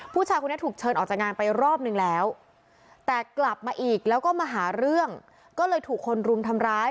ผู้ชายคนนี้ถูกเชิญออกจากงานไปรอบนึงแล้วแต่กลับมาอีกแล้วก็มาหาเรื่องก็เลยถูกคนรุมทำร้าย